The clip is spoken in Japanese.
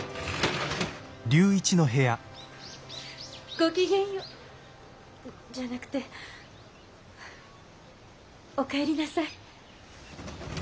ごきげんよじゃなくてお帰りなさい。